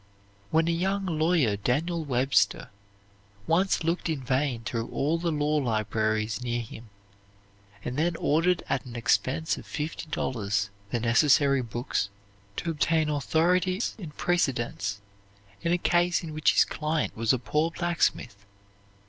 When a young lawyer Daniel Webster once looked in vain through all the law libraries near him, and then ordered at an expense of fifty dollars the necessary books, to obtain authorities and precedents in a case in which his client was a poor blacksmith.